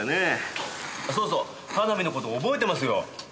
そうそう花火の事覚えてますよ。